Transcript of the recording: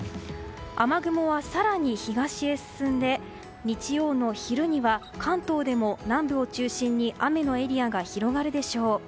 雨雲は、更に東へ進んで日曜の昼には関東でも、南部を中心に雨のエリアが広がるでしょう。